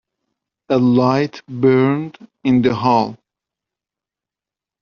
A light burned in the hall.